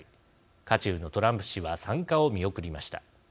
渦中のトランプ氏は参加を見送りました。